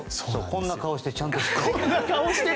こんな顔してちゃんと行ってます。